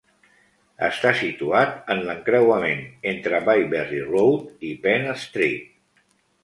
Està situat en l'encreuament entre Byberry Road i Penn Street.